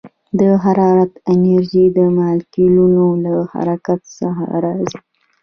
د حرارت انرژي د مالیکولونو له حرکت څخه راځي.